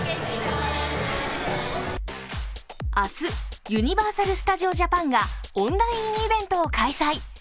明日、ユニバーサル・スタジオ・ジャパンがオンラインイベントを開催。